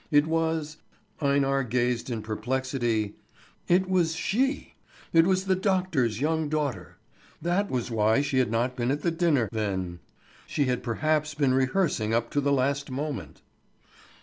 It was Einar gazed in perplexity it was she! It was the doctor's young daughter. That was why she had not been at the dinner, then. She had perhaps been rehearsing up to the last moment.